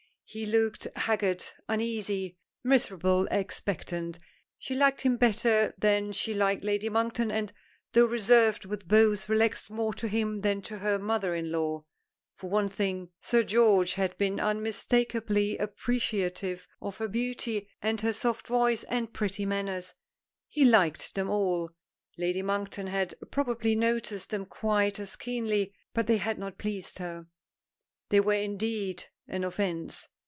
He looked haggard uneasy miserably expectant. She liked him better than she liked Lady Monkton, and, though reserved with both, relaxed more to him than to her mother in law. For one thing, Sir George had been unmistakably appreciative of her beauty, and her soft voice and pretty manners. He liked them all. Lady Monkton had probably noticed them quite as keenly, but they had not pleased her. They were indeed an offence.